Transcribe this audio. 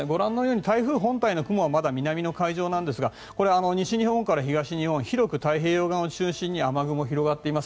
台風本体はまだ南の海上なんですが西日本から東日本に広く太平洋側を中心に雨雲が広がっています。